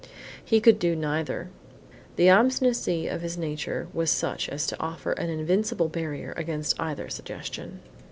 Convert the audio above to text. He could do neither. The obstinacy of his nature was such as to offer an invincible barrier against either suggestion.